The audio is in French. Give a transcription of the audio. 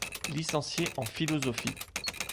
Licenciée en philosophie.